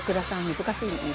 難しいよね